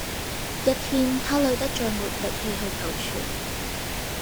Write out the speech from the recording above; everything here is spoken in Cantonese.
一天他累得再沒力氣去求存